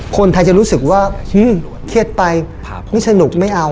คนไทยจะรู้สึกว่าเครียดไปไม่สนุกไม่เอา